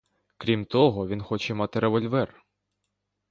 Крім того, він хоче мати револьвер.